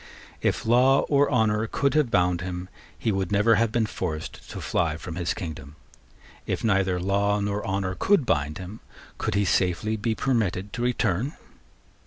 If law or honour could have bound him, he would never have been forced to fly from his kingdom. If neither law nor honour could bind him, could he safely be permitted to return?